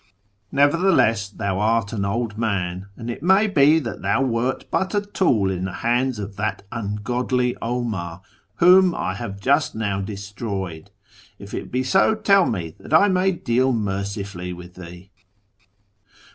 JSTevertheless thou art an old man, and it may be that thou wert but a tool in the hands of that ungodly 'Omar, whom I have just now destroyed. If it be so, tell me, that I may deal mercifully with thee.